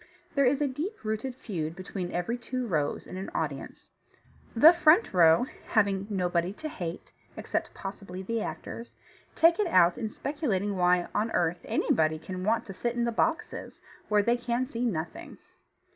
There is a deep rooted feud between every two rows in an audience. The front row, having nobody to hate (except possibly the actors), take it out in speculating why on earth anybody can want to sit in the boxes, where they can see nothing.